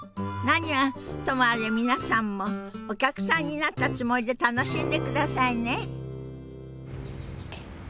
何はともあれ皆さんもお客さんになったつもりで楽しんでくださいね。